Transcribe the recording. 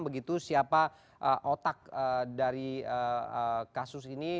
begitu siapa otak dari kasus ini